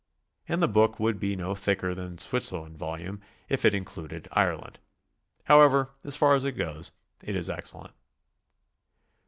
And the book would be no thicker than the Switzerland volume' if it in cluded Ireland. However, as far as it goes, it is excellent.